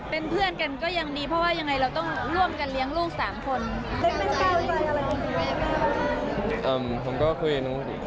เป็นเพื่อนกันก็ยังดีเพราะว่ายังไงเราต้องร่วมกันเลี้ยงลูก๓คน